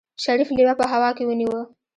شريف لېوه په هوا کې ونيو.